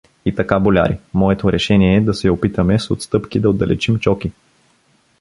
И така, боляри, моето решение е да се опитаме с отстъпки да отдалечим Чоки.